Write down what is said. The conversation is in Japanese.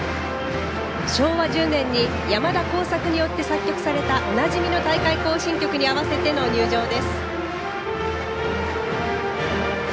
昭和１０年に山田耕筰によって作曲されたおなじみの「大会行進曲」に合わせての入場です。